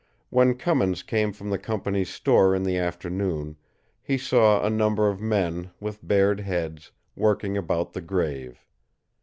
When Cummins came from the company's store in the afternoon, he saw a number of men, with bared heads, working about the grave.